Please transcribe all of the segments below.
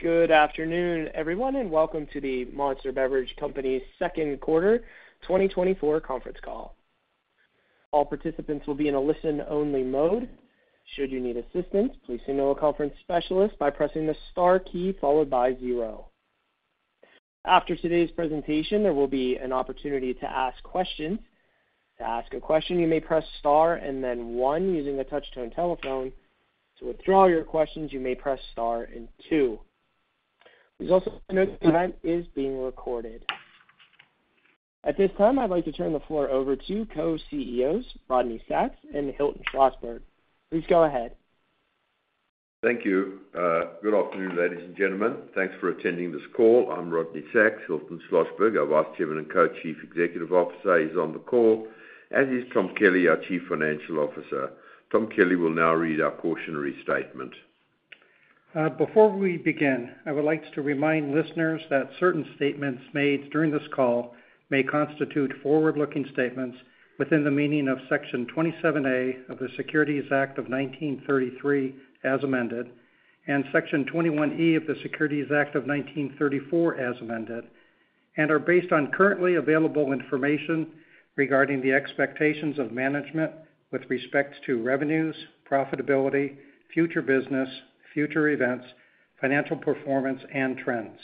Good afternoon, everyone, and welcome to the Monster Beverage Company's second quarter 2024 conference call. All participants will be in a listen-only mode. Should you need assistance, please signal a conference specialist by pressing the star key followed by zero. After today's presentation, there will be an opportunity to ask questions. To ask a question, you may press star and then one using a touch-tone telephone. To withdraw your questions, you may press star and two. We also note the event is being recorded. At this time, I'd like to turn the floor over to co-CEOs, Rodney Sacks and Hilton Schlosberg. Please go ahead. Thank you. Good afternoon, ladies and gentlemen. Thanks for attending this call. I'm Rodney Sacks. Hilton Schlosberg, our Vice Chairman and Co-Chief Executive Officer, is on the call, as is Tom Kelly, our Chief Financial Officer. Tom Kelly will now read our cautionary statement. Before we begin, I would like to remind listeners that certain statements made during this call may constitute forward-looking statements within the meaning of Section 27A of the Securities Act of 1933, as amended, and Section 21E of the Securities Act of 1934, as amended, and are based on currently available information regarding the expectations of management with respect to revenues, profitability, future business, future events, financial performance, and trends.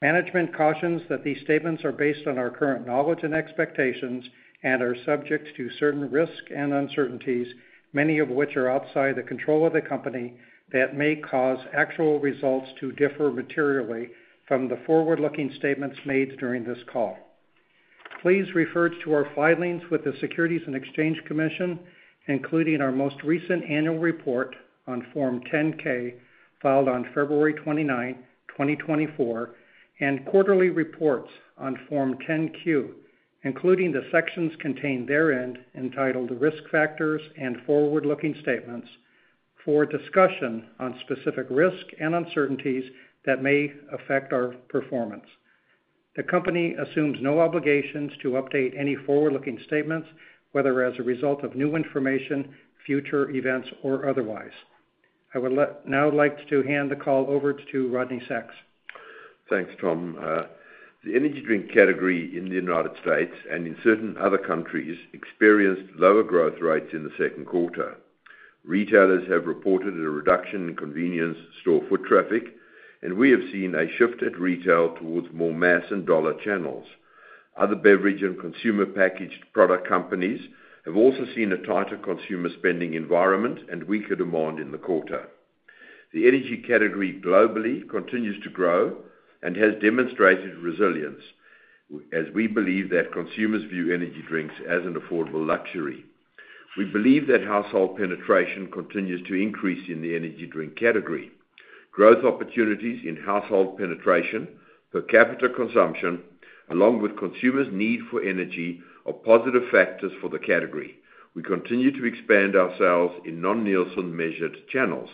Management cautions that these statements are based on our current knowledge and expectations and are subject to certain risks and uncertainties, many of which are outside the control of the company, that may cause actual results to differ materially from the forward-looking statements made during this call. Please refer to our filings with the Securities and Exchange Commission, including our most recent annual report on Form 10-K, filed on February 29, 2024, and quarterly reports on Form 10-Q, including the sections contained therein, entitled Risk Factors and Forward-Looking Statements, for a discussion on specific risks and uncertainties that may affect our performance. The company assumes no obligations to update any forward-looking statements, whether as a result of new information, future events, or otherwise. I would now like to hand the call over to Rodney Sacks. Thanks, Tom. The energy drink category in the United States and in certain other countries experienced lower growth rates in the second quarter. Retailers have reported a reduction in convenience store foot traffic, and we have seen a shift at retail towards more mass and dollar channels. Other beverage and consumer packaged product companies have also seen a tighter consumer spending environment and weaker demand in the quarter. The energy category globally continues to grow and has demonstrated resilience, as we believe that consumers view energy drinks as an affordable luxury. We believe that household penetration continues to increase in the energy drink category. Growth opportunities in household penetration, per capita consumption, along with consumers' need for energy, are positive factors for the category. We continue to expand ourselves in non-Nielsen measured channels.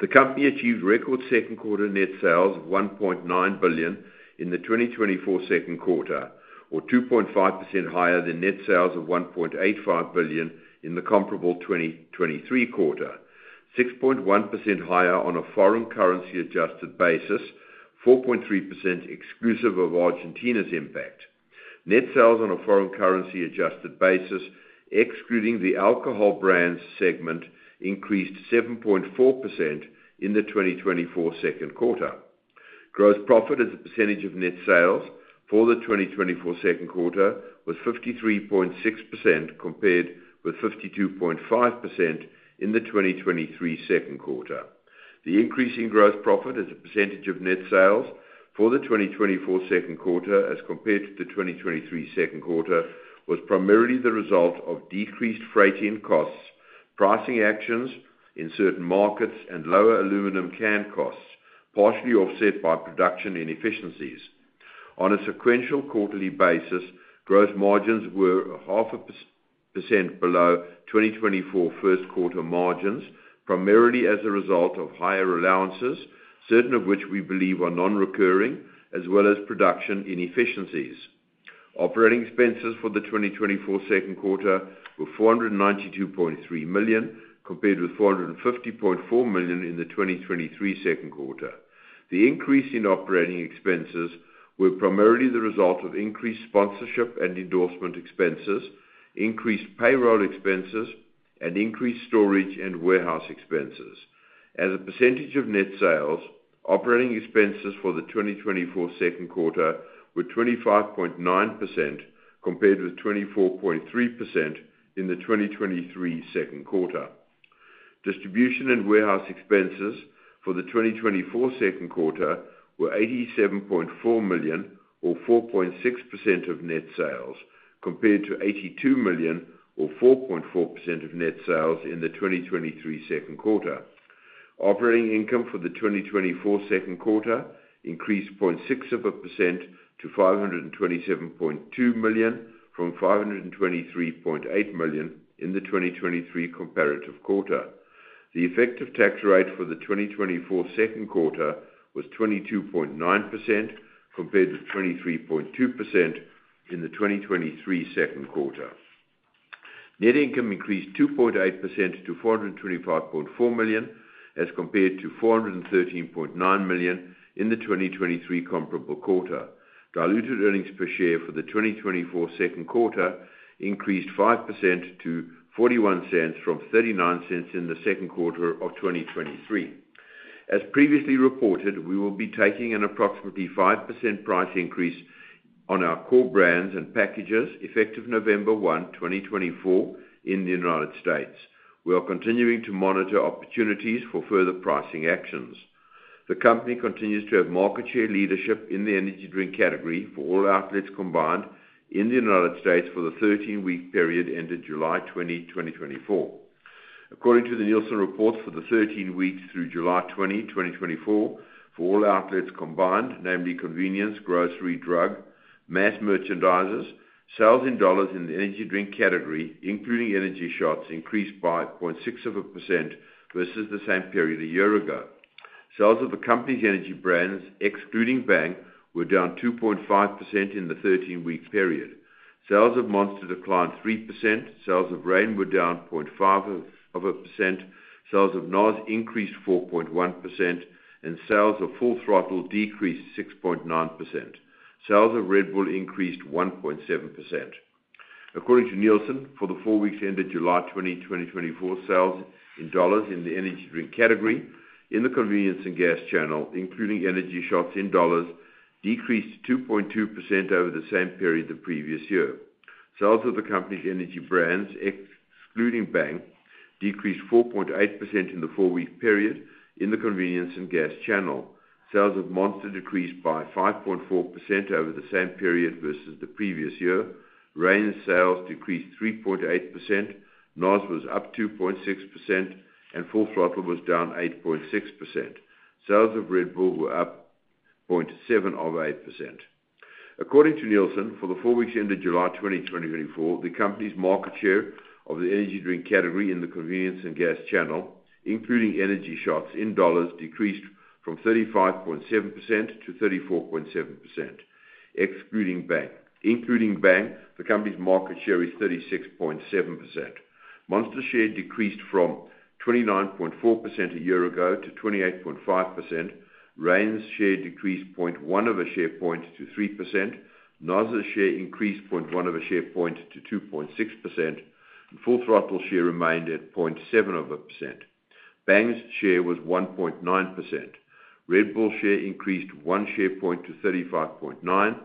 The company achieved record second quarter net sales of $1.9 billion in the 2024 second quarter, or 2.5% higher than net sales of $1.85 billion in the comparable 2023 quarter, 6.1% higher on a foreign currency-adjusted basis, 4.3% exclusive of Argentina's impact. Net sales on a foreign currency-adjusted basis, excluding the alcohol brands segment, increased 7.4% in the 2024 second quarter. Gross profit as a percentage of net sales for the 2024 second quarter was 53.6%, compared with 52.5% in the 2023 second quarter. The increase in gross profit as a percentage of net sales for the 2024 second quarter as compared to the 2023 second quarter was primarily the result of decreased freight costs, pricing actions in certain markets, and lower aluminum can costs, partially offset by production inefficiencies. On a sequential quarterly basis, gross margins were 0.5% below 2024 first quarter margins, primarily as a result of higher allowances, certain of which we believe are non-recurring, as well as production inefficiencies. Operating expenses for the 2024 second quarter were $492.3 million, compared with $450.4 million in the 2023 second quarter. The increase in operating expenses were primarily the result of increased sponsorship and endorsement expenses, increased payroll expenses, and increased storage and warehouse expenses. As a percentage of net sales, operating expenses for the 2024 second quarter were 25.9%, compared with 24.3% in the 2023 second quarter. Distribution and warehouse expenses for the 2024 second quarter were $87.4 million, or 4.6% of net sales, compared to $82 million, or 4.4% of net sales in the 2023 second quarter. Operating income for the 2024 second quarter increased 0.6% to $527.2 million, from $523.8 million in the 2023 comparative quarter. The effective tax rate for the 2024 second quarter was 22.9%, compared to 23.2% in the 2023 second quarter. Net income increased 2.8% to $425.4 million, as compared to $413.9 million in the 2023 comparable quarter. Diluted earnings per share for the 2024 second quarter increased 5% to $0.41, from $0.39 in the second quarter of 2023. As previously reported, we will be taking an approximately 5% price increase on our core brands and packages, effective November 1, 2024 in the United States. We are continuing to monitor opportunities for further pricing actions. The company continues to have market share leadership in the energy drink category for all outlets combined in the United States for the 13-week period ended July 20, 2024. According to the Nielsen reports, for the 13 weeks through July 20, 2024, for all outlets combined, namely convenience, grocery, drug, mass merchandisers, sales in dollars in the energy drink category, including energy shots, increased by 0.6% versus the same period a year ago. Sales of the company's energy brands, excluding Bang, were down 2.5% in the 13-week period. Sales of Monster declined 3%. Sales of Reign were down 0.5%. Sales of NOS increased 4.1%, and sales of Full Throttle decreased 6.9%. Sales of Red Bull increased 1.7%. According to Nielsen, for the 4 weeks ended July 20, 2024, sales in dollars in the energy drink category in the convenience and gas channel, including energy shots in dollars, decreased 2.2% over the same period the previous year. Sales of the company's energy brands, excluding Bang, decreased 4.8% in the 4-week period in the convenience and gas channel. Sales of Monster decreased by 5.4% over the same period versus the previous year. Reign's sales decreased 3.8%, NOS was up 2.6%, and Full Throttle was down 8.6%. Sales of Red Bull were up 7.8%. According to Nielsen, for the four weeks ended July 20, 2024, the company's market share of the energy drink category in the convenience and gas channel, including energy shots in dollars, decreased from 35.7% to 34.7%, excluding Bang. Including Bang, the company's market share is 36.7%. Monster share decreased from 29.4% a year ago to 28.5%. Reign's share decreased 0.1 of a share point to 3%. NOS's share increased 0.1 of a share point to 2.6%, and Full Throttle share remained at 0.7 of a percent. Bang's share was 1.9%. Red Bull share increased one share point to 35.9.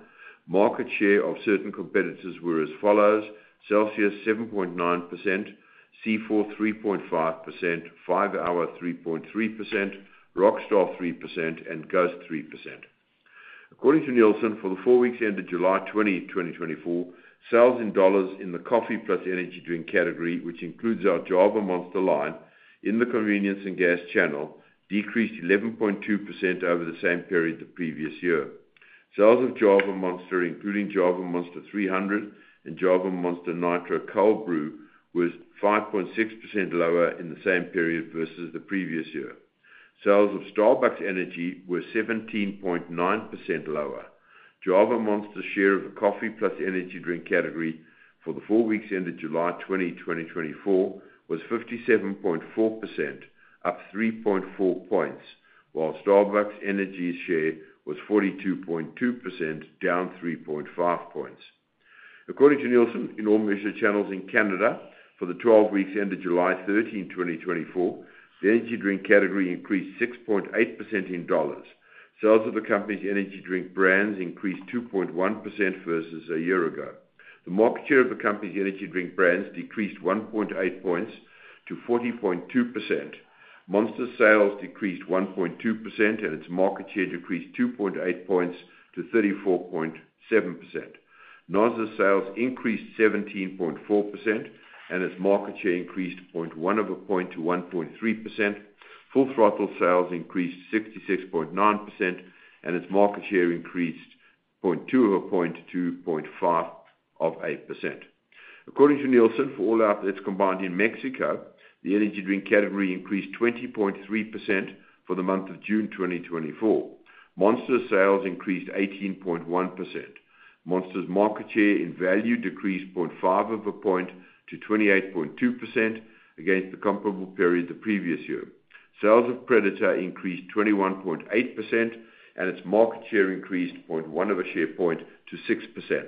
Market share of certain competitors were as follows: Celsius, 7.9%; C4, 3.5%; 5-hour, 3.3%; Rockstar, 3%, and Ghost, 3%. According to Nielsen, for the four weeks ended July 20, 2024, sales in dollars in the coffee plus energy drink category, which includes our Java Monster line in the convenience and gas channel, decreased 11.2% over the same period the previous year. Sales of Java Monster, including Java Monster 300 and Java Monster Nitro Cold Brew, was 5.6% lower in the same period versus the previous year. Sales of Starbucks Energy were 17.9% lower. Java Monster's share of the coffee plus energy drink category for the 4 weeks ended July 20, 2024, was 57.4%, up 3.4 points, while Starbucks Energy's share was 42.2%, down 3.5 points. According to Nielsen, in all measured channels in Canada for the 12 weeks ended July 13, 2024, the energy drink category increased 6.8% in dollars. Sales of the company's energy drink brands increased 2.1% versus a year ago. The market share of the company's energy drink brands decreased 1.8 points to 40.2%. Monster sales decreased 1.2%, and its market share decreased 2.8 points to 34.7%. NOS's sales increased 17.4%, and its market share increased 1.2 points to 1.3%. Full Throttle sales increased 66.9%, and its market share increased 0.2 over 0.2 to 0.5 of a percent. According to Nielsen, for all outlets combined in Mexico, the energy drink category increased 20.3% for the month of June 2024. Monster sales increased 18.1%. Monster's market share in value decreased 0.5 of a point to 28.2% against the comparable period the previous year. Sales of Predator increased 21.8%, and its market share increased 0.1 of a share point to 6%.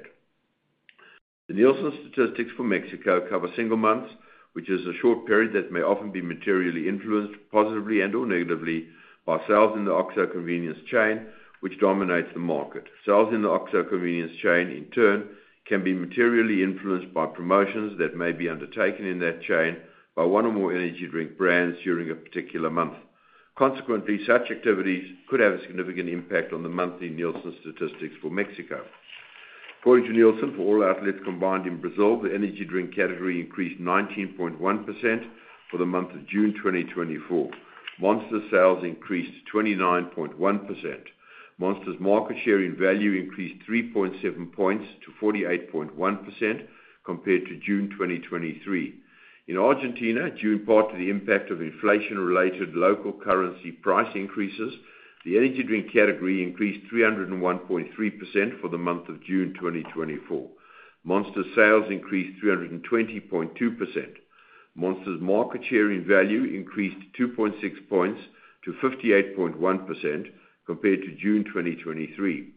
The Nielsen statistics for Mexico cover single months, which is a short period that may often be materially influenced, positively and/or negatively, by sales in the OXXO convenience chain, which dominates the market. Sales in the OXXO convenience chain, in turn, can be materially influenced by promotions that may be undertaken in that chain by one or more energy drink brands during a particular month. Consequently, such activities could have a significant impact on the monthly Nielsen statistics for Mexico. According to Nielsen, for all outlets combined in Brazil, the energy drink category increased 19.1% for the month of June 2024. Monster sales increased 29.1%. Monster's market share in value increased 3.7 points to 48.1% compared to June 2023. In Argentina, due in part to the impact of inflation-related local currency price increases, the energy drink category increased 301.3% for the month of June 2024. Monster sales increased 320.2%. Monster's market share in value increased 2.6 points to 58.1% compared to June 2023.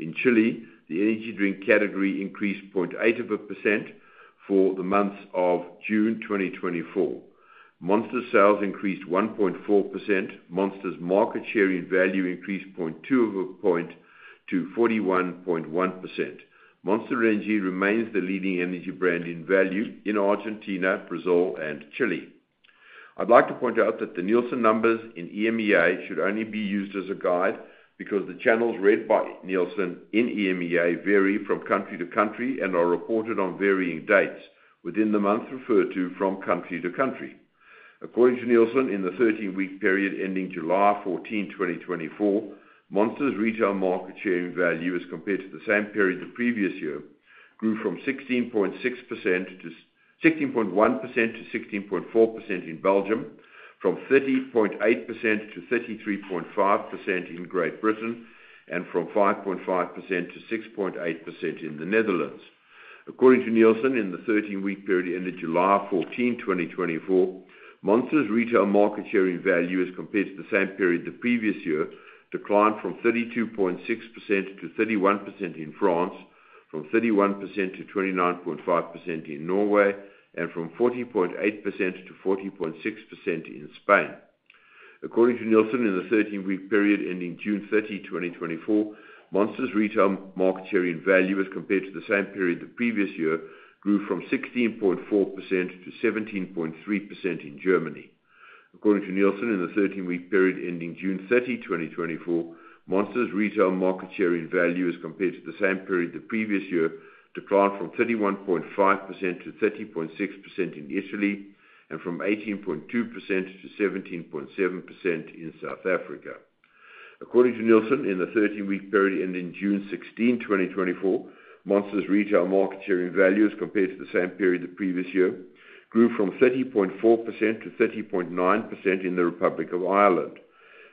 In Chile, the energy drink category increased 0.8% for the months of June 2024. Monster sales increased 1.4%. Monster's market share in value increased 0.2 of a point to 41.1%. Monster Energy remains the leading energy brand in value in Argentina, Brazil and Chile. I'd like to point out that the Nielsen numbers in EMEA should only be used as a guide, because the channels read by Nielsen in EMEA vary from country to country and are reported on varying dates within the month referred to from country to country. According to Nielsen, in the 13-week period ending July 14, 2024, Monster's retail market share in value, as compared to the same period the previous year, grew from 16.1% to 16.4% in Belgium, from 30.8% to 33.5% in Great Britain, and from 5.5% to 6.8% in the Netherlands. According to Nielsen, in the 13-week period ending July 14, 2024, Monster's retail market share in value, as compared to the same period the previous year, declined from 32.6% to 31% in France, from 31% to 29.5% in Norway, and from 14.8% to 14.6% in Spain. According to Nielsen, in the 13-week period ending June 30, 2024, Monster's retail market share in value, as compared to the same period the previous year, grew from 16.4% to 17.3% in Germany. According to Nielsen, in the 13-week period ending June 30, 2024, Monster's retail market share in value, as compared to the same period the previous year, declined from 31.5% to 30.6% in Italy and from 18.2% to 17.7% in South Africa. According to Nielsen, in the 13-week period ending June 16, 2024, Monster's retail market share in value, as compared to the same period the previous year, grew from 30.4% to 30.9% in the Republic of Ireland.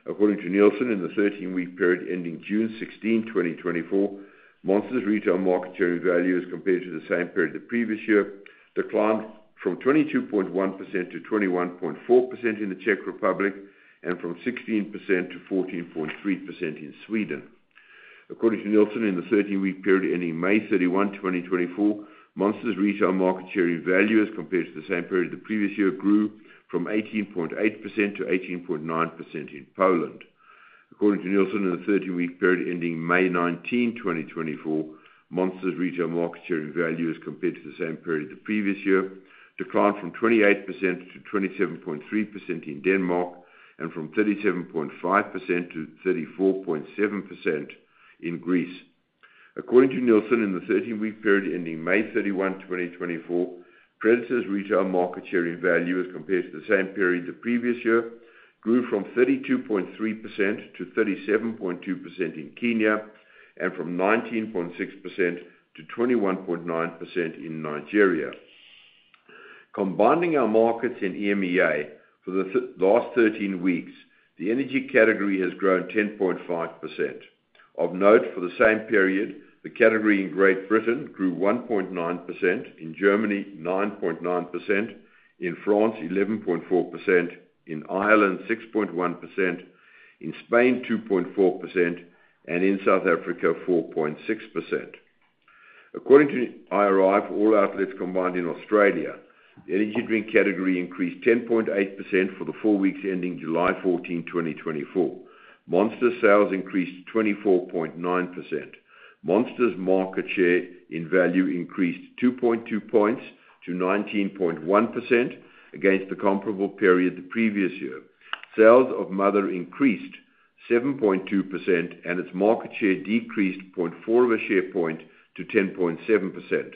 According to Nielsen, in the 13-week period ending June 16, 2024, Monster's retail market share in value, as compared to the same period the previous year, declined from 22.1% to 21.4% in the Czech Republic, and from 16% to 14.3% in Sweden. According to Nielsen, in the 13-week period ending May 31, 2024, Monster's retail market share in value, as compared to the same period the previous year, grew from 18.8% to 18.9% in Poland. According to Nielsen, in the 13-week period ending May 19, 2024, Monster's retail market share in value, as compared to the same period the previous year, declined from 28% to 27.3% in Denmark and from 37.5% to 34.7% in Greece. According to Nielsen, in the 13-week period ending May 31, 2024, Predator's retail market share in value, as compared to the same period the previous year, grew from 32.3% to 37.2% in Kenya and from 19.6% to 21.9% in Nigeria. Combining our markets in EMEA for the last 13 weeks, the energy category has grown 10.5%. Of note, for the same period, the category in Great Britain grew 1.9%, in Germany, 9.9%, in France, 11.4%, in Ireland, 6.1%, in Spain, 2.4%, and in South Africa, 4.6%. According to IRI, for all outlets combined in Australia, the energy drink category increased 10.8% for the four weeks ending July 14, 2024. Monster sales increased 24.9%. Monster's market share in value increased 2.2 points to 19.1% against the comparable period the previous year. Sales of Mother increased 7.2%, and its market share decreased 0.4 of a share point to 10.7%.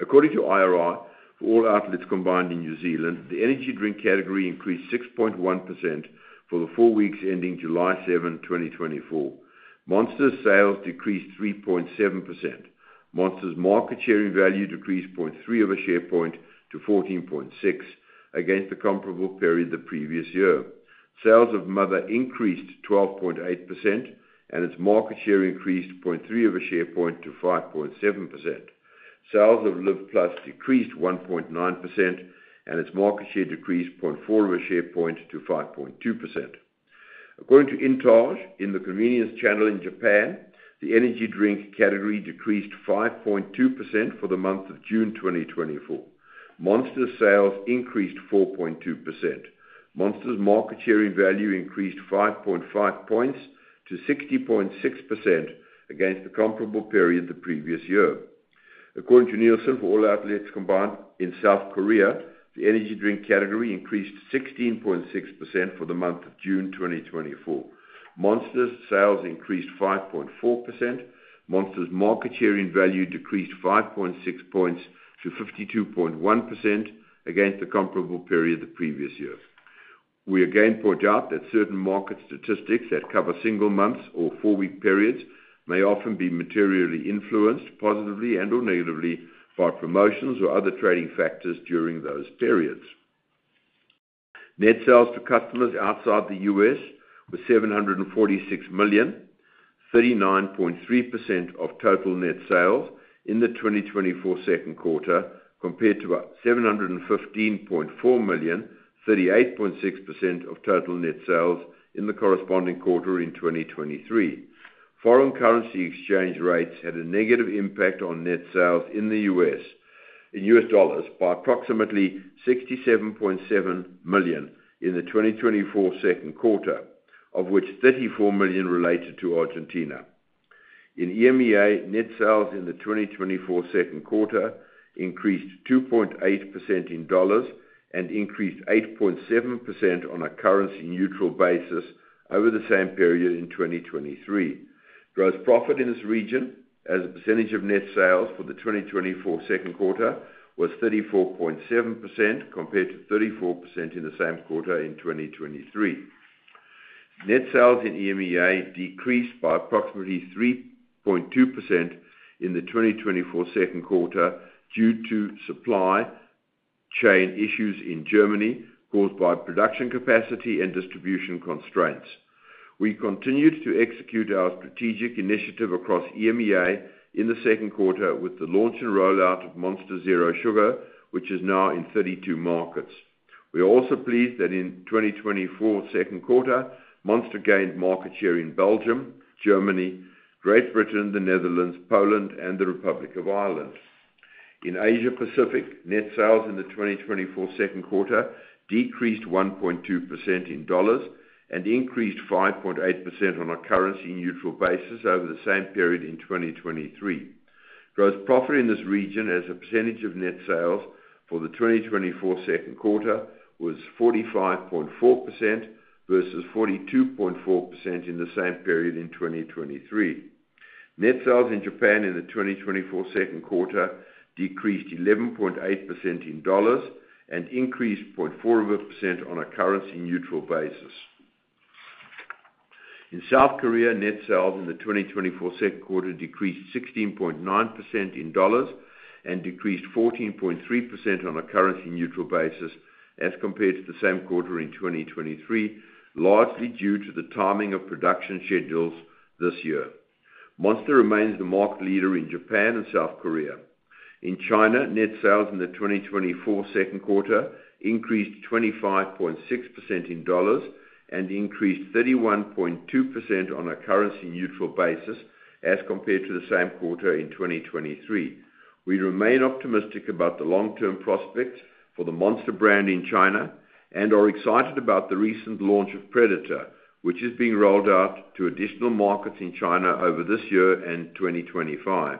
According to IRI, for all outlets combined in New Zealand, the energy drink category increased 6.1% for the four weeks ending July 7, 2024. Monster's sales decreased 3.7%. Monster's market share in value decreased 0.3 of a share point to 14.6% against the comparable period the previous year. Sales of Mother increased 12.8%, and its market share increased 0.3 of a share point to 5.7%. Sales of Live+ decreased 1.9%, and its market share decreased 0.4 of a share point to 5.2%. According to INTAGE, in the convenience channel in Japan, the energy drink category decreased 5.2% for the month of June 2024. Monster sales increased 4.2%. Monster's market share in value increased 5.5 points to 60.6% against the comparable period the previous year. According to Nielsen, for all outlets combined in South Korea, the energy drink category increased 16.6% for the month of June 2024. Monster's sales increased 5.4%. Monster's market share in value decreased 5.6 points to 52.1% against the comparable period the previous year. We again point out that certain market statistics that cover single months or four-week periods may often be materially influenced positively and or negatively by promotions or other trading factors during those periods. Net sales to customers outside the U.S. were $746 million, 39.3% of total net sales in the 2024 second quarter, compared to about $715.4 million, 38.6% of total net sales in the corresponding quarter in 2023. Foreign currency exchange rates had a negative impact on net sales in the U.S., in U.S. dollars by approximately $67.7 million in the 2024 second quarter, of which $34 million related to Argentina. In EMEA, net sales in the 2024 second quarter increased 2.8% in dollars and increased 8.7% on a currency-neutral basis over the same period in 2023. Gross profit in this region, as a percentage of net sales for the 2024 second quarter, was 34.7%, compared to 34% in the same quarter in 2023. Net sales in EMEA decreased by approximately 3.2% in the 2024 second quarter due to supply chain issues in Germany, caused by production capacity and distribution constraints. We continued to execute our strategic initiative across EMEA in the second quarter with the launch and rollout of Monster Zero Sugar, which is now in 32 markets. We are also pleased that in 2024 second quarter, Monster gained market share in Belgium, Germany, Great Britain, the Netherlands, Poland, and the Republic of Ireland. In Asia Pacific, net sales in the 2024 second quarter decreased 1.2% in dollars and increased 5.8% on a currency-neutral basis over the same period in 2023. Gross profit in this region, as a percentage of net sales for the 2024 second quarter, was 45.4% versus 42.4% in the same period in 2023. Net sales in Japan in the 2024 second quarter decreased 11.8% in dollars and increased 0.4% on a currency-neutral basis. In South Korea, net sales in the 2024 second quarter decreased 16.9% in dollars and decreased 14.3% on a currency-neutral basis as compared to the same quarter in 2023, largely due to the timing of production schedules this year. Monster remains the market leader in Japan and South Korea. In China, net sales in the 2024 second quarter increased 25.6% in dollars and increased 31.2% on a currency-neutral basis as compared to the same quarter in 2023. We remain optimistic about the long-term prospects for the Monster brand in China and are excited about the recent launch of Predator, which is being rolled out to additional markets in China over this year and 2025.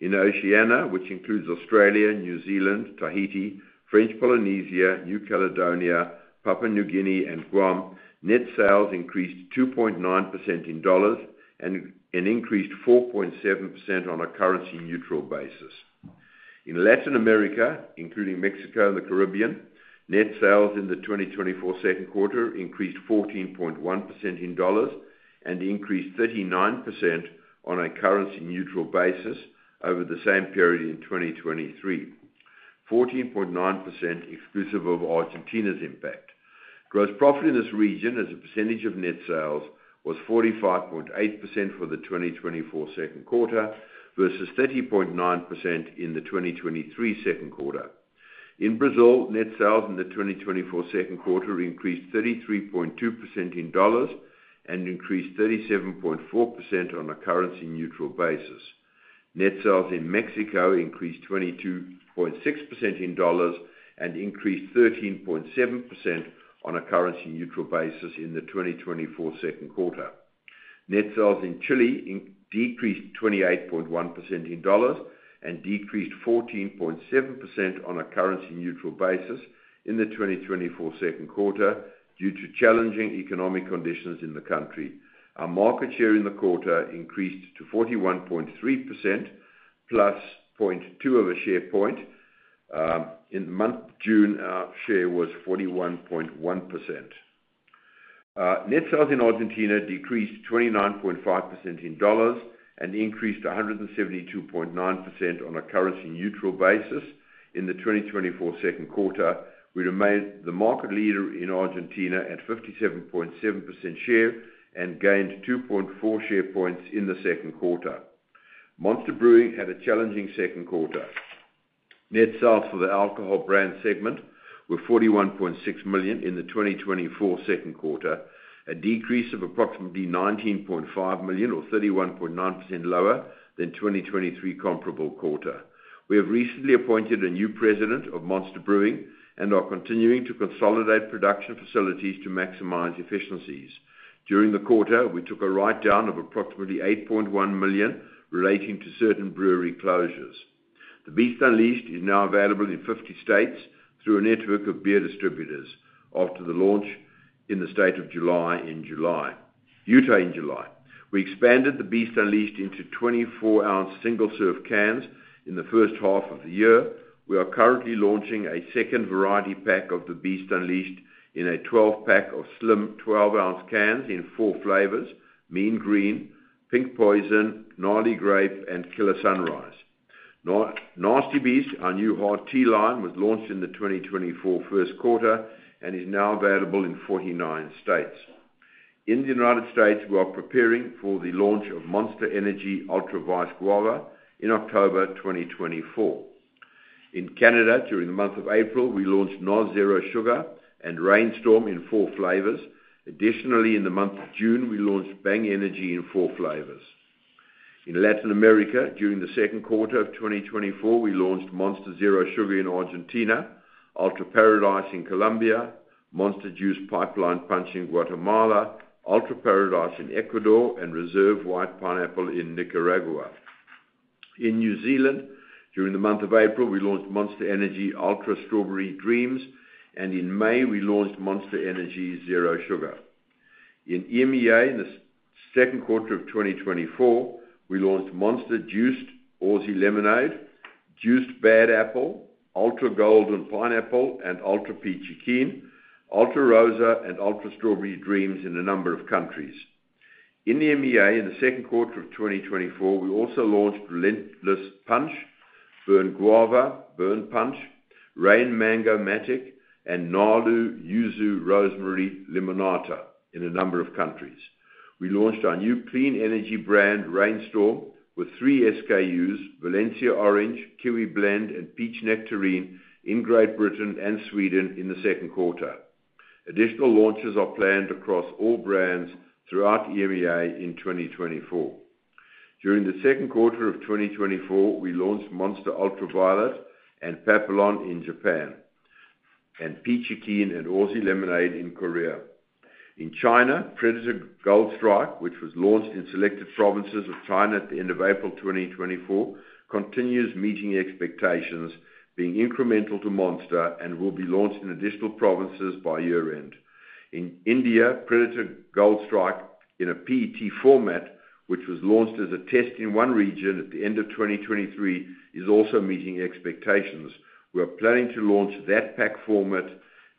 In Oceania, which includes Australia, New Zealand, Tahiti, French Polynesia, New Caledonia, Papua New Guinea, and Guam, net sales increased 2.9% in dollars and increased 4.7% on a currency-neutral basis. In Latin America, including Mexico and the Caribbean, net sales in the 2024 second quarter increased 14.1% in dollars and increased 39% on a currency-neutral basis over the same period in 2023. 14.9% exclusive of Argentina's impact. Gross profit in this region, as a percentage of net sales, was 45.8% for the 2024 second quarter, versus 30.9% in the 2023 second quarter. In Brazil, net sales in the 2024 second quarter increased 33.2% in dollars and increased 37.4% on a currency-neutral basis. Net sales in Mexico increased 22.6% in dollars and increased 13.7% on a currency-neutral basis in the 2024 second quarter. Net sales in Chile decreased 28.1% in dollars and decreased 14.7% on a currency-neutral basis in the 2024 second quarter due to challenging economic conditions in the country. Our market share in the quarter increased to 41.3%, plus 0.2 of a share point. In the month June, our share was 41.1%. Net sales in Argentina decreased 29.5% in dollars and increased 172.9% on a currency-neutral basis in the 2024 second quarter. We remained the market leader in Argentina at 57.7% share and gained 2.4 share points in the second quarter. Monster Brewing had a challenging second quarter. Net sales for the alcohol brand segment were $41.6 million in the 2024 second quarter, a decrease of approximately $19.5 million or 31.9% lower than 2023 comparable quarter. We have recently appointed a new president of Monster Brewing and are continuing to consolidate production facilities to maximize efficiencies. During the quarter, we took a write-down of approximately $8.1 million relating to certain brewery closures. The Beast Unleashed is now available in 50 states through a network of beer distributors after the launch in the state of Utah in July. We expanded the Beast Unleashed into 24-ounce single-serve cans in the first half of the year. We are currently launching a second variety pack of The Beast Unleashed in a 12-pack of slim 12-ounce cans in four flavors: Mean Green, Pink Poison, Gnarly Grape, and Killer Sunrise. Now, Nasty Beast, our new hard tea line, was launched in the 2024 first quarter and is now available in 49 states. In the United States, we are preparing for the launch of Monster Energy Ultra Vice Guava in October 2024. In Canada, during the month of April, we launched NOS Zero Sugar and Reign Storm in four flavors. Additionally, in the month of June, we launched Bang Energy in four flavors. In Latin America, during the second quarter of 2024, we launched Monster Zero Sugar in Argentina, Ultra Paradise in Colombia, Monster Juiced Pipeline Punch in Guatemala, Ultra Paradise in Ecuador, and Reserve White Pineapple in Nicaragua. In New Zealand, during the month of April, we launched Monster Energy Ultra Strawberry Dreams, and in May, we launched Monster Energy Zero Sugar. In EMEA, in the second quarter of 2024, we launched Monster Juiced Aussie Lemonade, Juiced Bad Apple, Ultra Gold and Pineapple, and Ultra Peachy Keen, Ultra Rosa, and Ultra Strawberry Dreams in a number of countries. In EMEA, in the second quarter of 2024, we also launched Relentless Punch, Burn Guava, Burn Punch, Reign Mango Matic, and Nalu Yuzu Rosemary Limonata in a number of countries. We launched our new clean energy brand, Reign Storm, with three SKUs, Valencia Orange, Kiwi Blend, and Peach Nectarine, in Great Britain and Sweden in the second quarter. Additional launches are planned across all brands throughout EMEA in 2024. During the second quarter of 2024, we launched Monster Ultra Violet and Papillon in Japan, and Peachy Keen and Aussie Lemonade in Korea. In China, Predator Gold Strike, which was launched in selected provinces of China at the end of April 2024, continues meeting expectations, being incremental to Monster and will be launched in additional provinces by year-end. In India, Predator Gold Strike in a PET format, which was launched as a test in one region at the end of 2023, is also meeting expectations. We are planning to launch that pack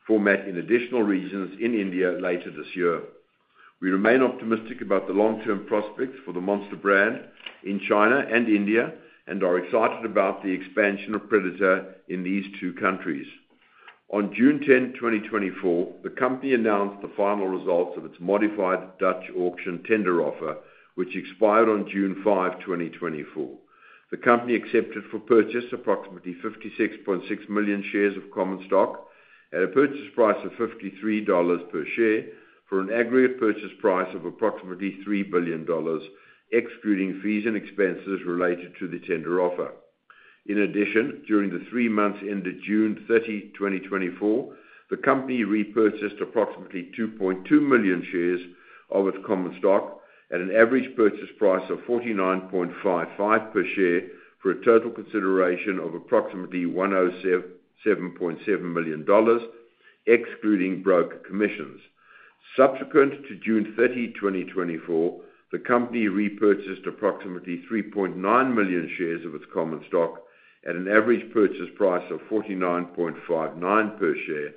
format in additional regions in India later this year. We remain optimistic about the long-term prospects for the Monster brand in China and India, and are excited about the expansion of Predator in these two countries. On June 10, 2024, the company announced the final results of its modified Dutch auction tender offer, which expired on June 5, 2024. The company accepted for purchase approximately 56.6 million shares of common stock at a purchase price of $53 per share, for an aggregate purchase price of approximately $3 billion, excluding fees and expenses related to the tender offer. In addition, during the three months ended June 30, 2024, the company repurchased approximately 2.2 million shares of its common stock at an average purchase price of 49.55 per share, for a total consideration of approximately $107.7 million, excluding broker commissions. Subsequent to June 30, 2024, the company repurchased approximately 3.9 million shares of its common stock at an average purchase price of $49.59 per share,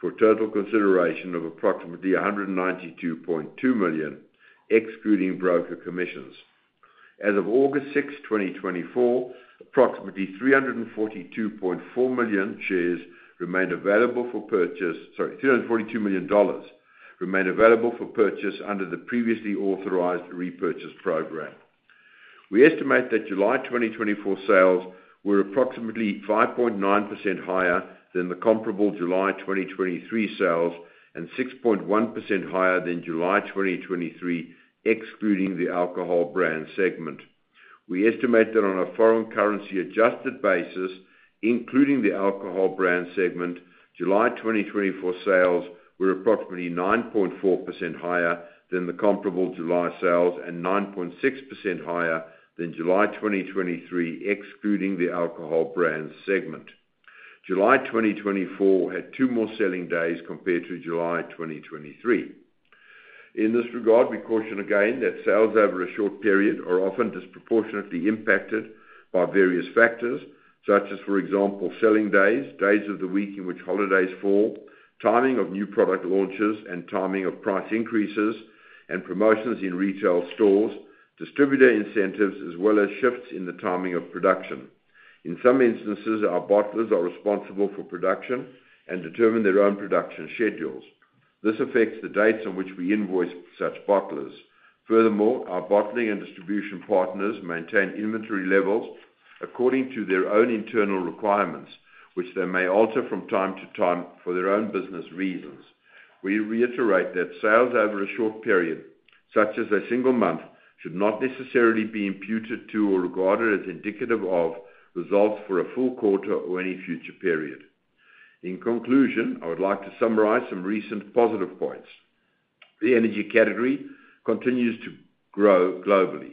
for a total consideration of approximately $192.2 million, excluding broker commissions. As of August 6, 2024, approximately 342.4 million shares remained available for purchase... Sorry, $342 million remained available for purchase under the previously authorized repurchase program. We estimate that July 2024 sales were approximately 5.9% higher than the comparable July 2023 sales, and 6.1% higher than July 2023, excluding the alcohol brand segment. We estimate that on a foreign currency adjusted basis, including the alcohol brand segment, July 2024 sales were approximately 9.4% higher than the comparable July sales, and 9.6% higher than July 2023, excluding the alcohol brand segment. July 2024 had two more selling days compared to July 2023. In this regard, we caution again that sales over a short period are often disproportionately impacted by various factors, such as, for example, selling days, days of the week in which holidays fall, timing of new product launches, and timing of price increases and promotions in retail stores, distributor incentives, as well as shifts in the timing of production. In some instances, our bottlers are responsible for production and determine their own production schedules. This affects the dates on which we invoice such bottlers. Furthermore, our bottling and distribution partners maintain inventory levels according to their own internal requirements, which they may alter from time to time for their own business reasons. We reiterate that sales over a short period, such as a single month, should not necessarily be imputed to or regarded as indicative of results for a full quarter or any future period. In conclusion, I would like to summarize some recent positive points. The energy category continues to grow globally.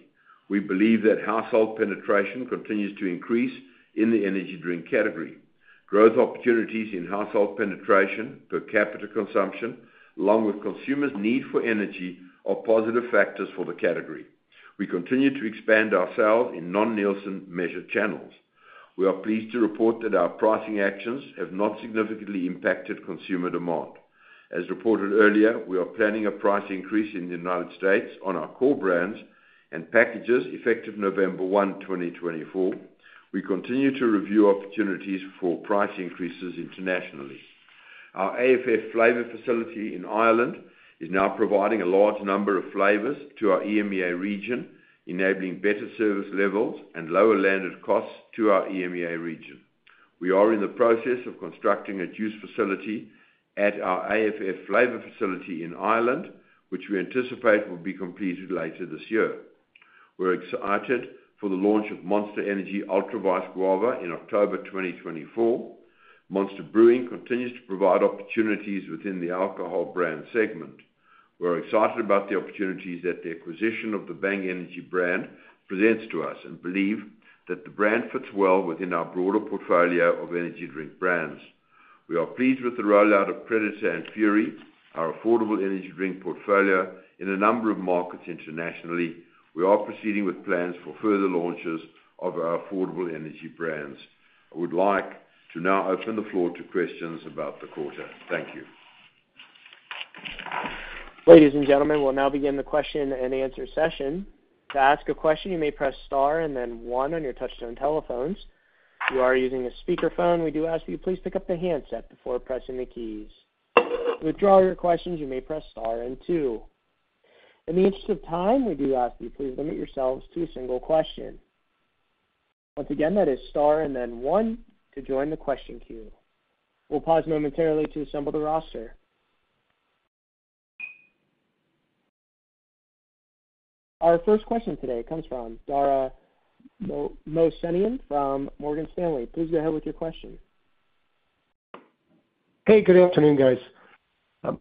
We believe that household penetration continues to increase in the energy drink category. Growth opportunities in household penetration per capita consumption, along with consumers' need for energy, are positive factors for the category. We continue to expand ourselves in non-Nielsen measured channels. We are pleased to report that our pricing actions have not significantly impacted consumer demand. As reported earlier, we are planning a price increase in the United States on our core brands and packages effective November 1, 2024. We continue to review opportunities for price increases internationally. Our AFF flavor facility in Ireland is now providing a large number of flavors to our EMEA region, enabling better service levels and lower landed costs to our EMEA region. We are in the process of constructing a juice facility at our AFF flavor facility in Ireland, which we anticipate will be completed later this year. We're excited for the launch of Monster Energy Ultra Vice Guava in October 2024. Monster Brewing continues to provide opportunities within the alcohol brand segment. We're excited about the opportunities that the acquisition of the Bang Energy brand presents to us and believe that the brand fits well within our broader portfolio of energy drink brands. We are pleased with the rollout of Predator and Fury, our affordable energy drink portfolio, in a number of markets internationally. We are proceeding with plans for further launches of our affordable energy brands. I would like to now open the floor to questions about the quarter. Thank you. Ladies and gentlemen, we'll now begin the question and answer session. To ask a question, you may press star and then one on your touchtone telephones. If you are using a speakerphone, we do ask that you please pick up the handset before pressing the keys. To withdraw your questions, you may press star and two. In the interest of time, we do ask you please limit yourselves to a single question. Once again, that is Star and then One to join the question queue. We'll pause momentarily to assemble the roster. Our first question today comes from Dara Mohsenian from Morgan Stanley. Please go ahead with your question. Hey, good afternoon, guys.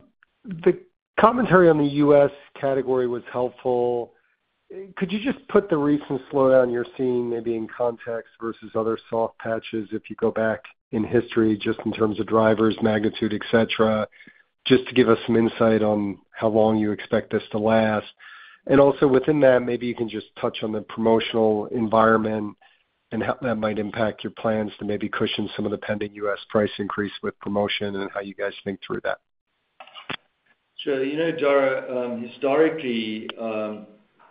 The commentary on the U.S. category was helpful. Could you just put the recent slowdown you're seeing maybe in context versus other soft patches, if you go back in history, just in terms of drivers, magnitude, et cetera, just to give us some insight on how long you expect this to last? And also within that, maybe you can just touch on the promotional environment and how that might impact your plans to maybe cushion some of the pending U.S. price increase with promotion and how you guys think through that. So, you know, Dara, historically,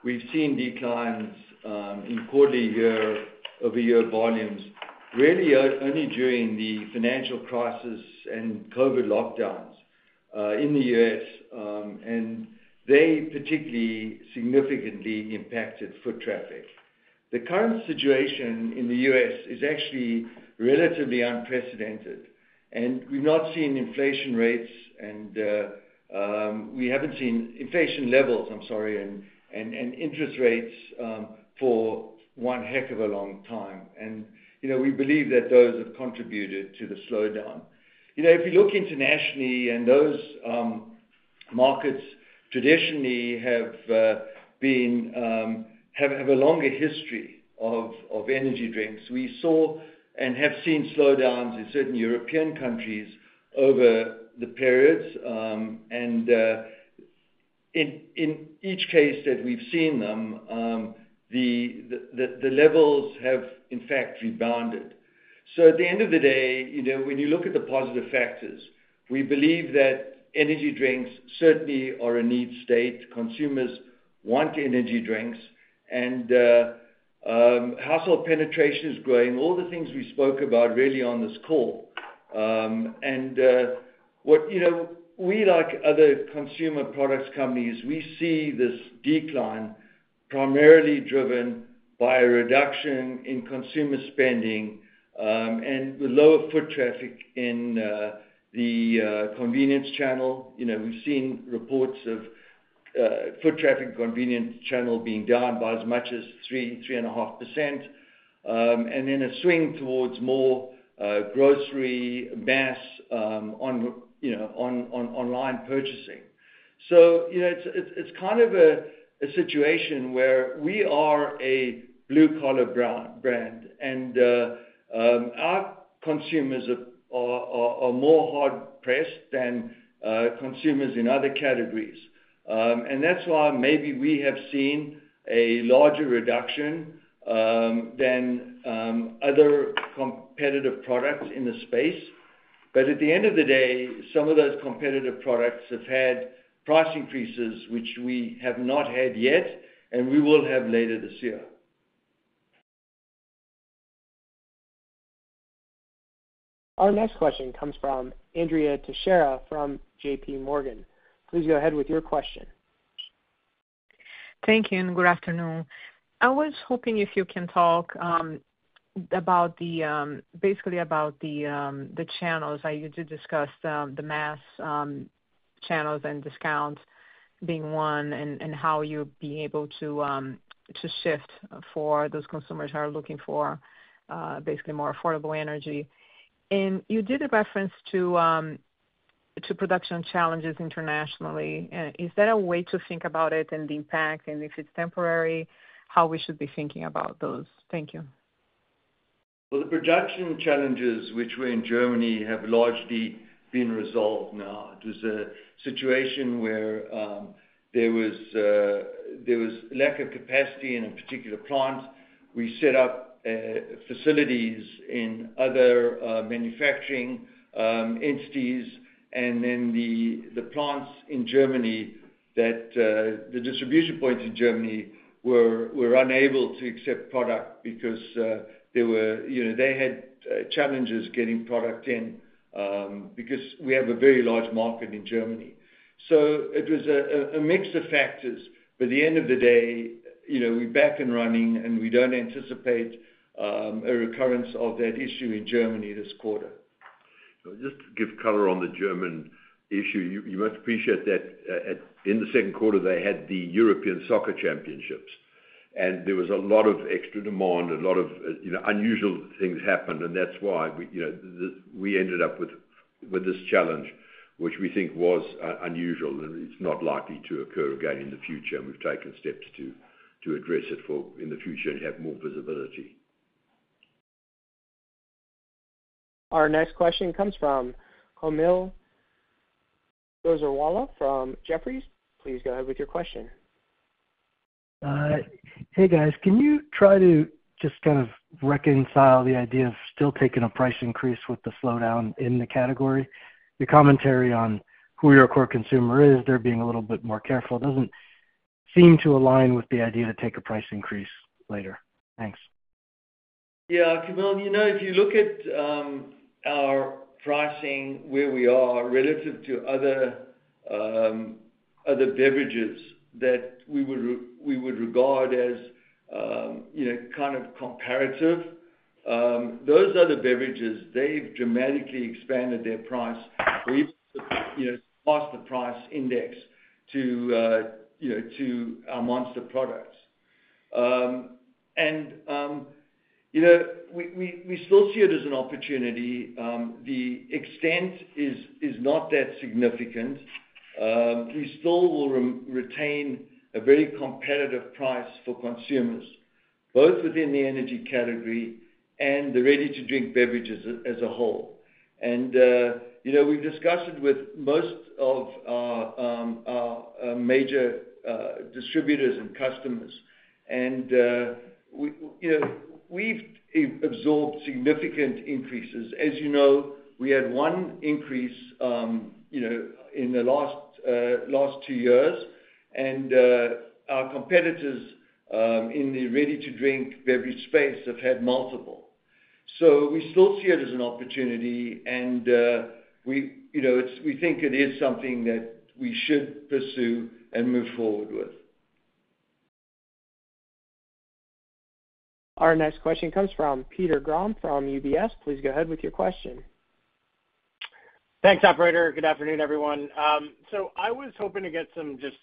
we've seen declines in quarterly year-over-year volumes, really, only during the financial crisis and COVID lockdowns in the U.S., and they particularly significantly impacted foot traffic. The current situation in the U.S. is actually relatively unprecedented, and we've not seen inflation rates and, we haven't seen inflation levels, I'm sorry, and interest rates for one heck of a long time. You know, we believe that those have contributed to the slowdown. You know, if you look internationally and those markets traditionally have been a longer history of energy drinks, we saw and have seen slowdowns in certain European countries over the periods. In each case that we've seen them, the levels have, in fact, rebounded. So at the end of the day, you know, when you look at the positive factors, we believe that energy drinks certainly are a need state. Consumers want energy drinks, and household penetration is growing, all the things we spoke about really on this call. You know, we, like other consumer products companies, we see this decline primarily driven by a reduction in consumer spending, and the lower foot traffic in the convenience channel. You know, we've seen reports of foot traffic convenience channel being down by as much as 3%-3.5%, and then a swing towards more grocery, mass, on, you know, on, on, online purchasing. So you know, it's kind of a situation where we are a blue-collar brand, and our consumers are more hard pressed than consumers in other categories. And that's why maybe we have seen a larger reduction than other competitive products in the space. But at the end of the day, some of those competitive products have had price increases, which we have not had yet, and we will have later this year. Our next question comes from Andrea Teixeira from JPMorgan. Please go ahead with your question. Thank you, and good afternoon. I was hoping if you can talk basically about the channels. You did discuss the mass channels and discounts being one, and how you're being able to to shift for those consumers who are looking for basically more affordable energy. And you did a reference to...... to production challenges internationally. And is that a way to think about it and the impact, and if it's temporary, how we should be thinking about those? Thank you. Well, the production challenges, which were in Germany, have largely been resolved now. It was a situation where there was lack of capacity in a particular plant. We set up facilities in other manufacturing entities, and then the plants in Germany, the distribution points in Germany were unable to accept product because they were, you know, they had challenges getting product in, because we have a very large market in Germany. So it was a mix of factors, but at the end of the day, you know, we're back and running, and we don't anticipate a recurrence of that issue in Germany this quarter. So just to give color on the German issue, you must appreciate that in the second quarter, they had the European Soccer Championships, and there was a lot of extra demand, a lot of, you know, unusual things happened, and that's why we, you know, we ended up with this challenge, which we think was unusual, and it's not likely to occur again in the future, and we've taken steps to address it in the future and have more visibility. Our next question comes from Kaumil Gajrawala from Jefferies. Please go ahead with your question. Hey, guys. Can you try to just kind of reconcile the idea of still taking a price increase with the slowdown in the category? Your commentary on who your core consumer is, they're being a little bit more careful, doesn't seem to align with the idea to take a price increase later. Thanks. Yeah, Kaumil, you know, if you look at our pricing, where we are relative to other beverages that we would regard as, you know, kind of comparative, those other beverages, they've dramatically expanded their price. We, you know, cost the price index to, you know, to, Monster products. And, you know, we still see it as an opportunity. The extent is not that significant. We still will retain a very competitive price for consumers, both within the energy category and the ready-to-drink beverages as a whole. And, you know, we've discussed it with most of our major distributors and customers, and, we, you know, we've absorbed significant increases. As you know, we had one increase, you know, in the last two years, and our competitors in the ready-to-drink beverage space have had multiple. So we still see it as an opportunity, and we, you know, it's, we think it is something that we should pursue and move forward with. Our next question comes from Peter Grom from UBS. Please go ahead with your question. Thanks, operator. Good afternoon, everyone. So I was hoping to get some, just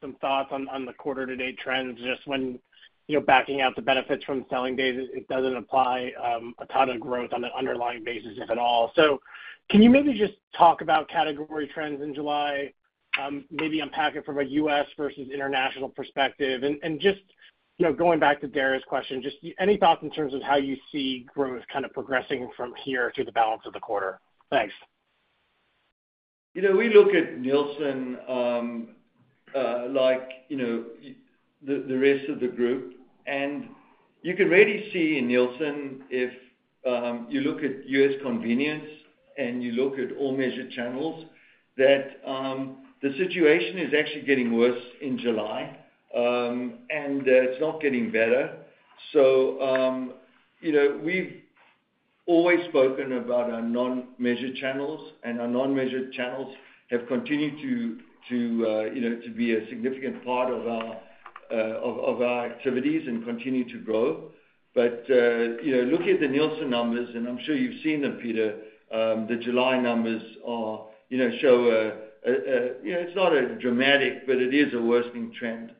some thoughts on, on the quarter-to-date trends, just when, you know, backing out the benefits from selling days, it doesn't apply, a ton of growth on the underlying basis, if at all. So can you maybe just talk about category trends in July? Maybe unpack it from a US versus international perspective. And just, you know, going back to Dara's question, just any thoughts in terms of how you see growth kind of progressing from here through the balance of the quarter? Thanks. You know, we look at Nielsen, like, you know, the rest of the group, and you can really see in Nielsen, if you look at U.S. convenience and you look at all measured channels, that the situation is actually getting worse in July, and it's not getting better. So you know, we've always spoken about our non-measured channels, and our non-measured channels have continued to you know, to be a significant part of our activities and continue to grow. But you know, looking at the Nielsen numbers, and I'm sure you've seen them, Peter, the July numbers are, you know, show a - you know, it's not a dramatic, but it is a worsening trend.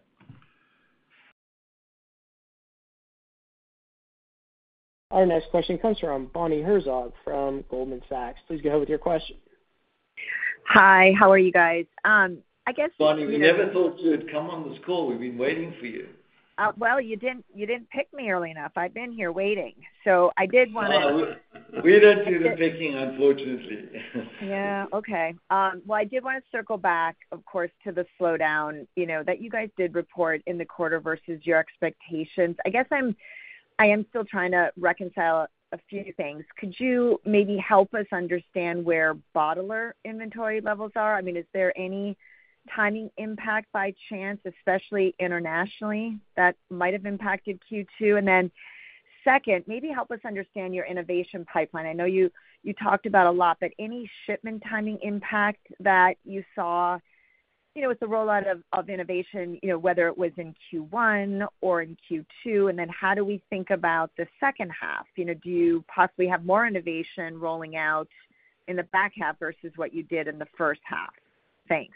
Our next question comes from Bonnie Herzog from Goldman Sachs. Please go ahead with your question. Hi, how are you guys? I guess- Bonnie, we never thought you would come on this call. We've been waiting for you. Well, you didn't, you didn't pick me early enough. I've been here waiting, so I did want to- We didn't do the picking, unfortunately. Yeah. Okay. Well, I did want to circle back, of course, to the slowdown, you know, that you guys did report in the quarter versus your expectations. I guess I am still trying to reconcile a few things. Could you maybe help us understand where bottler inventory levels are? I mean, is there any timing impact by chance, especially internationally, that might have impacted Q2? And then second, maybe help us understand your innovation pipeline. I know you talked about a lot, but any shipment timing impact that you saw, you know, with the rollout of innovation, you know, whether it was in Q1 or in Q2, and then how do we think about the second half? You know, do you possibly have more innovation rolling out in the back half versus what you did in the first half? Thanks.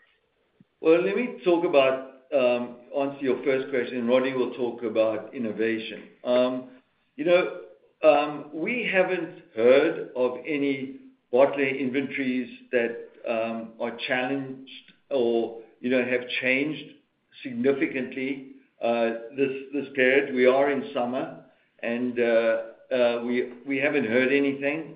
...Well, let me talk about answer your first question, and Ronnie will talk about innovation. You know, we haven't heard of any bottler inventories that are challenged or, you know, have changed significantly, this period. We are in summer, and we haven't heard anything.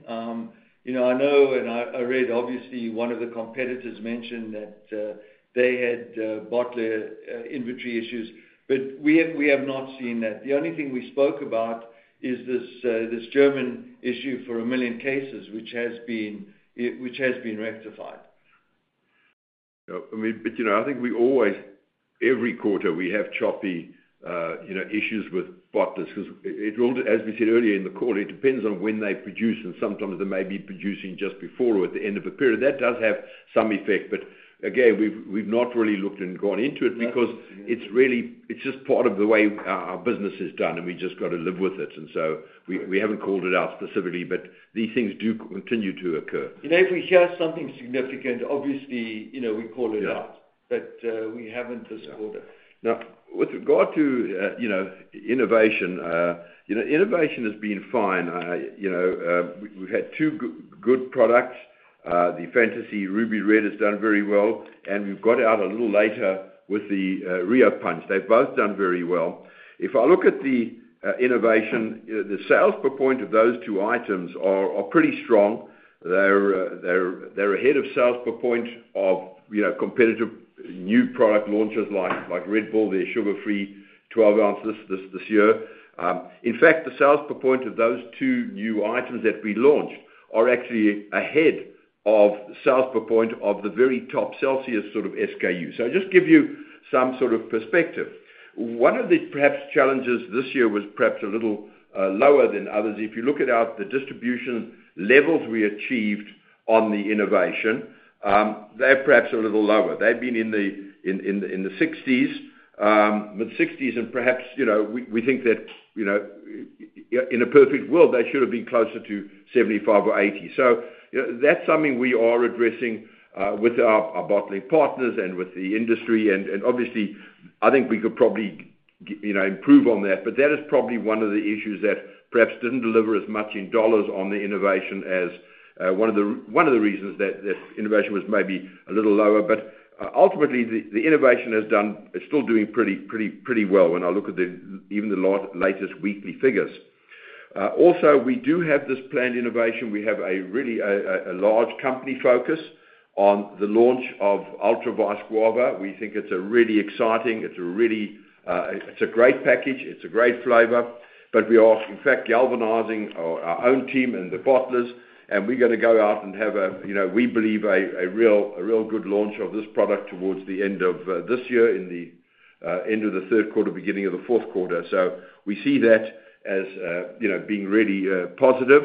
You know, I know, and I read, obviously, one of the competitors mentioned that they had bottler inventory issues, but we have not seen that. The only thing we spoke about is this German issue for 1 million cases, which has been rectified. Yeah, I mean, but, you know, I think we always, every quarter, we have choppy, you know, issues with bottlers, 'cause it all, as we said earlier in the call, it depends on when they produce, and sometimes they may be producing just before or at the end of a period. That does have some effect, but again, we've, we've not really looked and gone into it because it's really, it's just part of the way our, our business is done, and we just got to live with it. And so we, we haven't called it out specifically, but these things do continue to occur. You know, if we hear something significant, obviously, you know, we call it out. Yeah. But, we haven't this quarter. Now, with regard to, you know, innovation, you know, innovation has been fine. You know, we've had two good products. The Fantasy Ruby Red has done very well, and we've got out a little later with the Rio Punch. They've both done very well. If I look at the innovation, the sales per point of those two items are pretty strong. They're ahead of sales per point of, you know, competitive new product launches like Red Bull, their sugar-free 12 ounces this year. In fact, the sales per point of those two new items that we launched are actually ahead of sales per point of the very top Celsius sort of SKU. So just give you some sort of perspective. One of the perhaps challenges this year was perhaps a little lower than others. If you look at our distribution levels we achieved on the innovation, they're perhaps a little lower. They've been in the 60s, but in the 60s and perhaps, you know, we think that, you know, in a perfect world, they should have been closer to 75 or 80. So, you know, that's something we are addressing with our bottling partners and with the industry. And obviously, I think we could probably, you know, improve on that, but that is probably one of the issues that perhaps didn't deliver as much in dollars on the innovation as one of the reasons that innovation was maybe a little lower. But ultimately, the innovation has done. It's still doing pretty well when I look at even the latest weekly figures. Also, we do have this planned innovation. We have a really large company focus on the launch of Ultra Vice Guava. We think it's a really exciting, it's a really, it's a great package, it's a great flavor. But we are, in fact, galvanizing our own team and the bottlers, and we're going to go out and have a, you know, we believe, a real good launch of this product towards the end of this year, in the end of the third quarter, beginning of the fourth quarter. So we see that as, you know, being really positive.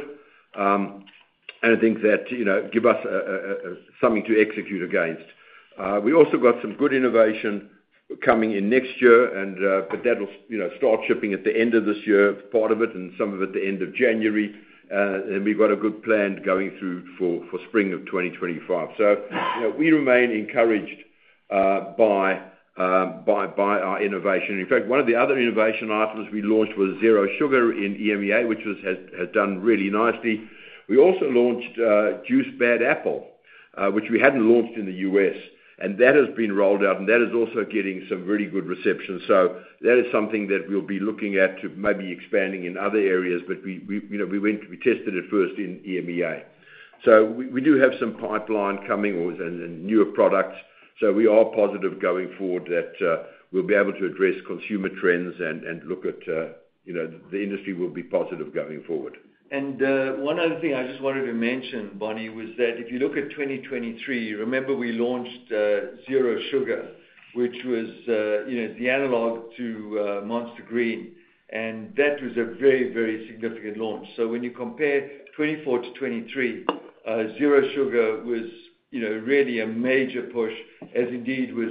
And I think that, you know, give us a something to execute against. We also got some good innovation coming in next year, and but that will, you know, start shipping at the end of this year, part of it, and some of it at the end of January. And we've got a good plan going through for spring of 2025. So, you know, we remain encouraged by our innovation. In fact, one of the other innovation items we launched was Zero Sugar in EMEA, which has done really nicely. We also launched Juiced Bad Apple, which we hadn't launched in the U.S., and that has been rolled out, and that is also getting some really good reception. So that is something that we'll be looking at to maybe expanding in other areas, but we, you know, we went, we tested it first in EMEA. So we do have some pipeline coming with and newer products. So we are positive going forward that we'll be able to address consumer trends and look at, you know, the industry will be positive going forward. And, one other thing I just wanted to mention, Bonnie, was that if you look at 2023, remember we launched, Zero Sugar, which was, you know, the analog to, Monster Green, and that was a very, very significant launch. So when you compare 2024 to 2023, Zero Sugar was, you know, really a major push, as indeed was,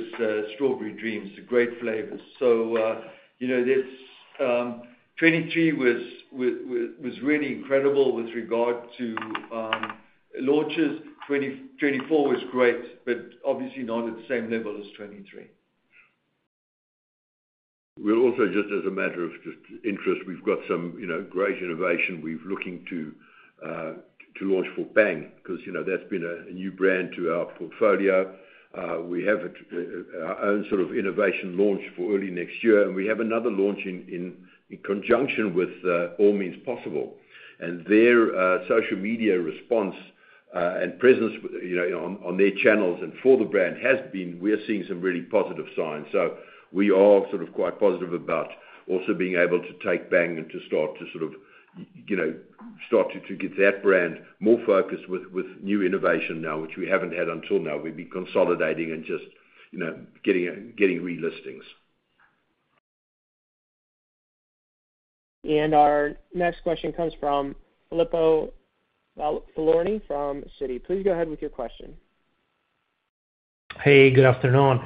Strawberry Dreams, great flavors. So, you know, this, 2023 was really incredible with regard to, launches. 2024 was great, but obviously not at the same level as 2023. We're also, just as a matter of interest, we've got some, you know, great innovation we're looking to launch for Bang, because, you know, that's been a new brand to our portfolio. We have our own sort of innovation launch for early next year, and we have another launch in conjunction with Any Means Possible. And their social media response and presence, you know, on their channels and for the brand has been... we are seeing some really positive signs. So we are sort of quite positive about also being able to take Bang and to start to sort of, you know, start to get that brand more focused with new innovation now, which we haven't had until now. We've been consolidating and just, you know, getting relistings. Our next question comes from Filippo Falorni from Citi. Please go ahead with your question. Hey, good afternoon.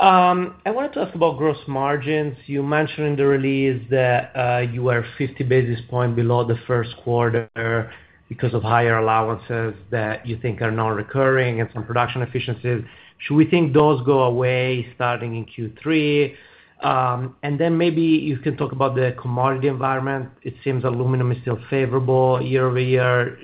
I want to talk about gross margins. You mentioned in the release that you are 50 basis points below the first quarter because of higher allowances that you think are non-recurring and some production efficiencies. Should we think those go away starting in Q3? And then maybe you can talk about the commodity environment. It seems aluminum is still favorable year-over-year.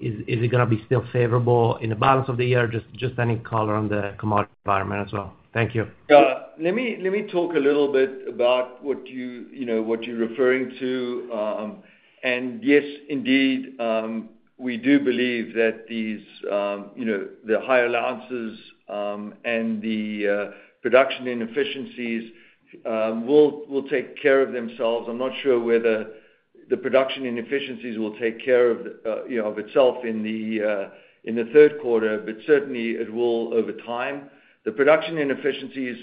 Is it gonna be still favorable in the balance of the year? Just any color on the commodity environment as well. Thank you. Yeah. Let me talk a little bit about what you know what you're referring to. And yes, indeed, we do believe that these you know the high allowances and the production inefficiencies will take care of themselves. I'm not sure whether the production inefficiencies will take care of you know of itself in the third quarter, but certainly it will over time. The production inefficiencies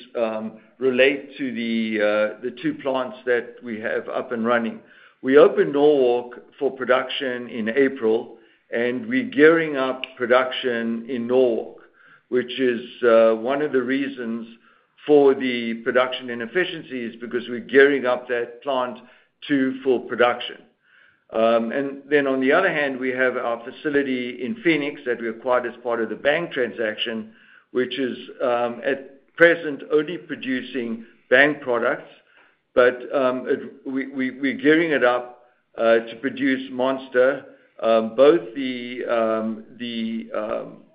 relate to the two plants that we have up and running. We opened Norwalk for production in April, and we're gearing up production in Norwalk, which is one of the reasons for the production inefficiencies, because we're gearing up that plant to full production. And then on the other hand, we have our facility in Phoenix that we acquired as part of the Bang transaction, which is, at present, only producing Bang products. But we're gearing it up to produce Monster, both the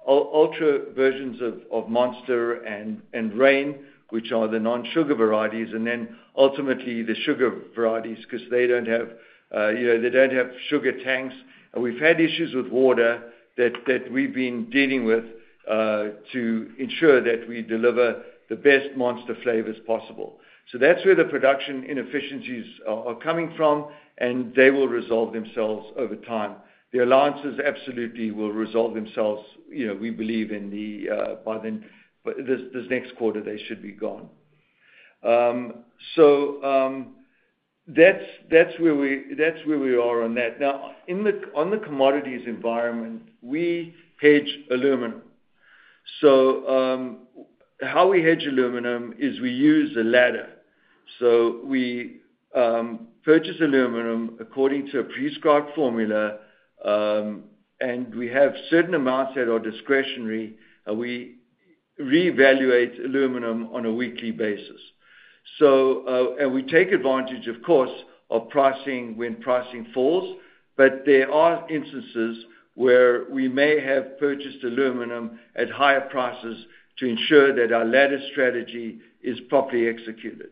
ultra versions of Monster and Reign, which are the non-sugar varieties, and then ultimately, the sugar varieties, 'cause they don't have, you know, they don't have sugar tanks. And we've had issues with water that we've been dealing with to ensure that we deliver the best Monster flavors possible. So that's where the production inefficiencies are coming from, and they will resolve themselves over time. The allowances absolutely will resolve themselves, you know, we believe by then, but this next quarter, they should be gone. That's where we are on that. Now, on the commodities environment, we hedge aluminum. So, how we hedge aluminum is we use a ladder. So we purchase aluminum according to a prescribed formula, and we have certain amounts that are discretionary, and we reevaluate aluminum on a weekly basis. So, and we take advantage, of course, of pricing when pricing falls, but there are instances where we may have purchased aluminum at higher prices to ensure that our ladder strategy is properly executed.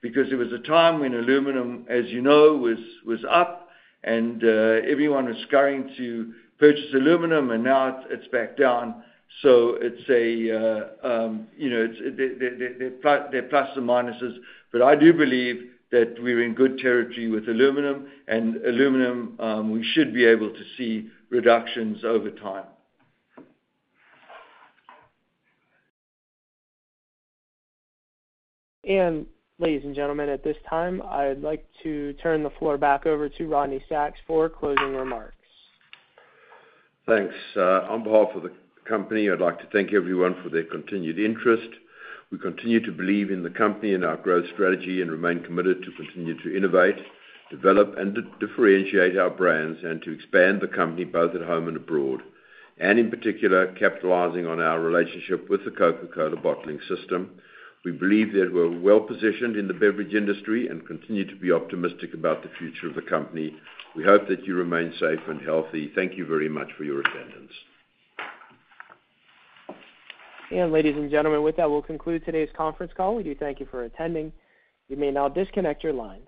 Because there was a time when aluminum, as you know, was up and everyone was scurrying to purchase aluminum, and now it's back down. So it's a, you know, it's... There are pluses and minuses, but I do believe that we're in good territory with aluminum, and aluminum, we should be able to see reductions over time. Ladies and gentlemen, at this time, I'd like to turn the floor back over to Rodney Sacks for closing remarks. Thanks. On behalf of the company, I'd like to thank everyone for their continued interest. We continue to believe in the company and our growth strategy and remain committed to continue to innovate, develop, and differentiate our brands, and to expand the company, both at home and abroad. And in particular, capitalizing on our relationship with the Coca-Cola Bottling system. We believe that we're well-positioned in the beverage industry and continue to be optimistic about the future of the company. We hope that you remain safe and healthy. Thank you very much for your attendance. Ladies and gentlemen, with that, we'll conclude today's conference call. We do thank you for attending. You may now disconnect your line.